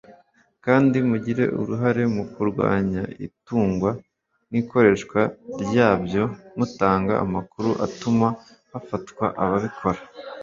kandi mugire uruhare mu kurwanya itundwa n’ikoreshwa ryabyo mutanga amakuru atuma hafatwa ababikora